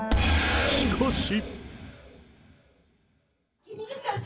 しかし。